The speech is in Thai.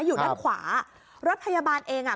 อยู่ด้านขวารถพยาบาลเองอ่ะ